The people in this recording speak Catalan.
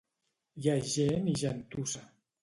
Hi ha gent i gentussa